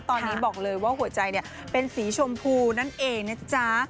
ตอนนี้บอกเลยว่าหัวใจเป็นสีชมพูนั่นเองนะจ๊ะ